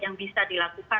yang bisa dilakukan